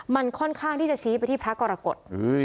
มันค่อนข้างที่จะชี้ไปที่พระกรกฎ